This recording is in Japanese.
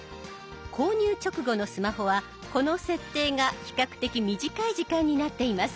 購入直後のスマホはこの設定が比較的短い時間になっています。